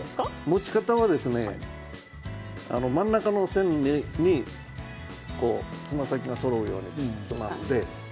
持ち方は真ん中の線に爪の先がそろうように。